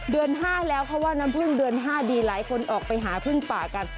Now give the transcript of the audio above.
เดือน๕แล้วเพราะว่าน้ำพึ่งเดือน๕ดีหลายคนออกไปหาพึ่งป่ากัน